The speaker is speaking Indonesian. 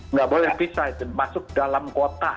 nggak boleh dipisah masuk dalam kota